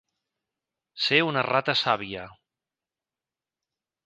Ser una rata sàvia.